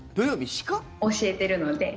教えているので。